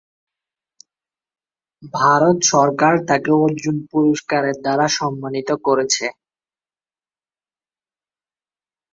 ভারত সরকার তাকে অর্জুন পুরস্কারের দ্বারা সন্মানিত করছে।